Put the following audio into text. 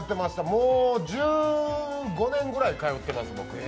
もう１５年ぐらい通ってます、僕。